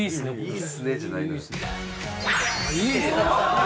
「いいっすね」じゃないのよ。